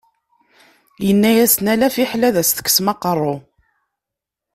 Yenna-asen, ala fiḥel ad as-teksem aqerru.